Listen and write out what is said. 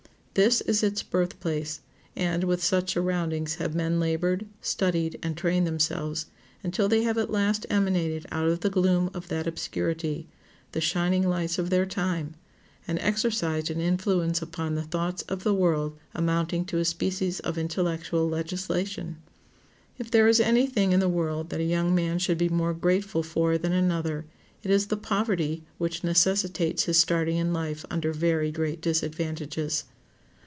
This is its birthplace, and with such surroundings have men labored, studied, and trained themselves, until they have at last emanated out of the gloom of that obscurity, the shining lights of their time, and exercised an influence upon the thoughts of the world amounting to a species of intellectual legislation. If there is any thing in the world that a young man should be more grateful for than another, it is the poverty which necessitates his starting in life under very great disadvantages.